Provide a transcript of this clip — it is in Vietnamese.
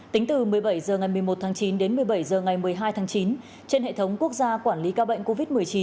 tính từ một mươi bảy h ngày một mươi một tháng chín đến một mươi bảy h ngày một mươi hai tháng chín trên hệ thống quốc gia quản lý ca bệnh covid một mươi chín